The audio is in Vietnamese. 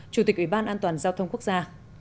chủ tịch ủy ban an toàn giao thông quốc gia